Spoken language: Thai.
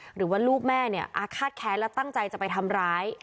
หรือว่าลูกแม่เนี่ยอาฆาตแค้นและตั้งใจจะไปทำร้าย